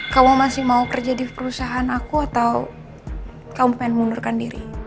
kamu masih mau kerja di perusahaan aku atau kamu pengen mengundurkan diri